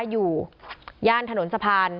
อยู่ย่านถนนสะพาน